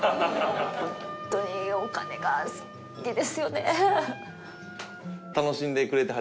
ホントにお金が好きですよね。